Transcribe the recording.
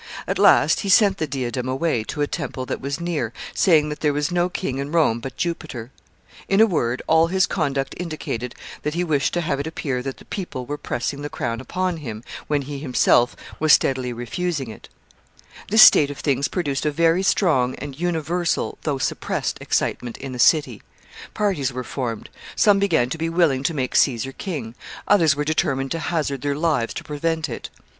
At last he sent the diadem away to a temple that was near, saying that there was no king in Rome but Jupiter. In a word, all his conduct indicated that he wished to have it appear that the people were pressing the crown upon him, when he himself was steadily refusing it. [Sidenote: Some willing to make Caesar king.] [Sidenote: Others oppose it.] This state of things produced a very strong and universal, though suppressed excitement in the city. Parties were formed. Some began to be willing to make Caesar king; others were determined to hazard their lives to prevent it.